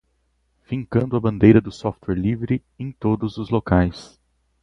Fincando a bandeira do software livre em todos os locais